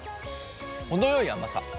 程よい甘さ。